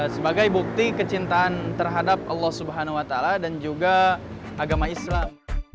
sebagai bukti kecintaan terhadap allah swt dan juga agama islam